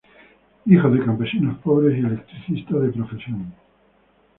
Hijo de campesinos pobres y electricista de profesión.